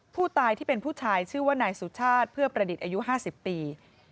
ผู้ตายที่เป็นผู้ชายชื่อว่านายสุชาติเพื่อประดิษฐ์อายุ๕๐ปี